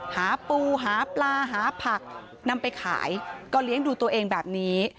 หาปูหาปลาหาผักนำไปขายก็เลี้ยงดูตัวเองแบบนี้